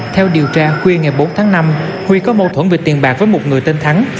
theo điều tra khuya ngày bốn tháng năm huy có mâu thuẫn về tiền bạc với một người tên thắng